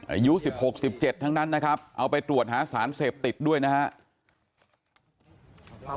อายุ๑๖๑๗ทั้งนั้นนะครับเอาไปตรวจหาสารเสพติดด้วยนะครับ